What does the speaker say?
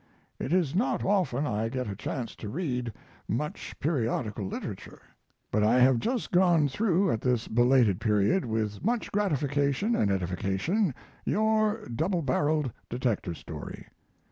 "It is not often I get a chance to read much periodical literature, but I have just gone through at this belated period, with much gratification and edification, your 'Double Barrelled Detective Story.'